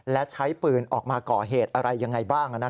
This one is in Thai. และใช้ปืนออกมาก่อเหตุอะไรยังไงบ้าง